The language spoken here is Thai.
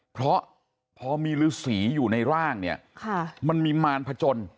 เพราะพอมีฤษีอยู่ในร่างเนี่ยมันมีมารพจน